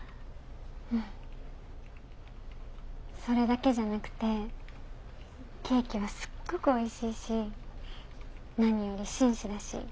それだけじゃなくてケーキはすっごくおいしいし何より紳士だし。